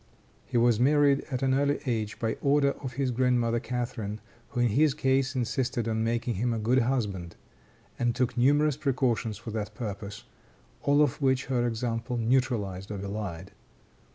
He was married at an early age by order of his grandmother Catharine, who in his case insisted on making him a good husband, and took numerous precautions for that purpose, all of which her example neutralized or belied.